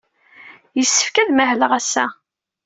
Yessefk ad mahleɣ ass-a.